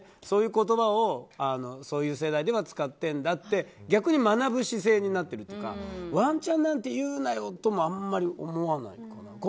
そういう言葉をそういう世代では使ってるんだって逆に学ぶ姿勢になってるというかワンチャンなんて言うなよともあまり思わないかな。